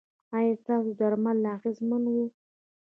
ایا ستاسو درمل اغیزمن وو؟